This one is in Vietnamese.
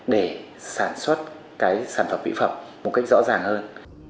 để sản xuất sản phẩm mỹ phẩm một cách rõ ràng hơn